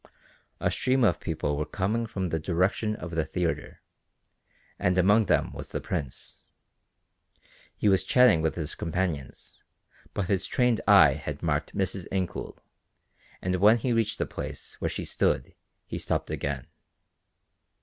A stream of people were coming from the direction of the theatre, and among them was the Prince. He was chatting with his companions, but his trained eye had marked Mrs. Incoul, and when he reached the place where she stood he stopped again.